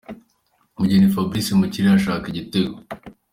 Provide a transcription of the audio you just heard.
Mugheni Fabrice mu kirere ashaka igitego.